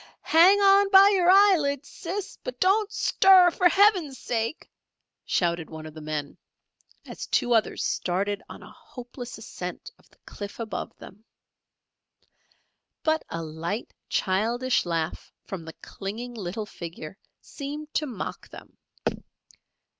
"Hang on by your eyelids, Sis! but don't stir for Heaven's sake!" shouted one of the men, as two others started on a hopeless ascent of the cliff above them. But a light childish laugh from the clinging little figure seemed to mock them!